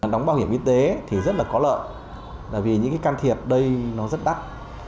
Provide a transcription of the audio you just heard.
đóng bảo hiểm y tế thì rất là có lợi vì những can thiệp đây nó rất đắt